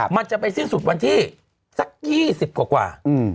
มันจะไปสิ้นสุดวันที่สัก๒๐กว่า